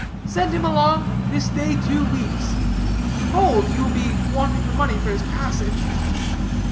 Send him along this day two weeks. Hold, you will be wanting the money for his passage.